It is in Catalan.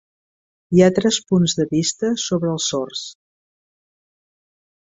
Hi ha tres punts de vista sobre els sords.